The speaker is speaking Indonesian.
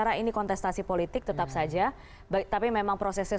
sangat dapat keberadaan pib menteri menteri